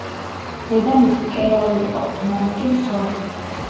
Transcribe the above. დედამისი მკერავი იყო, მამა კი მძღოლი.